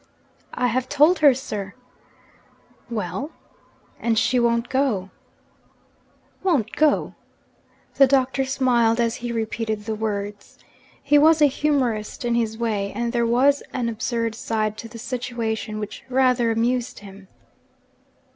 'I have told her, sir.' 'Well?' 'And she won't go.' 'Won't go?' The Doctor smiled as he repeated the words. He was a humourist in his way; and there was an absurd side to the situation which rather amused him.